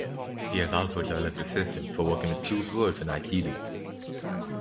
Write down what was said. He has also developed a system for working with two swords in aikido.